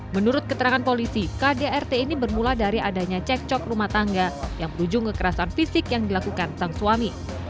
menurut keterangan polisi kdrt ini bermula dari adanya cek cok rumah tangga yang berujung kekerasan fisik yang dilakukan sang suami